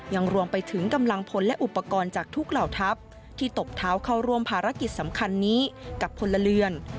ยังรวมไปถึงกำลังพลและอุปกรณ์จากทุกเหล่าทัพที่ตบเท้าเข้าร่วมภารกิจสำคัญนี้กับพลเรือน